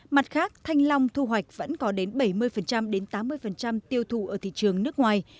mặt khác thanh long thu hoạch vẫn có đến bảy mươi đến tám mươi tiêu thụ ở thị trường nước ngoài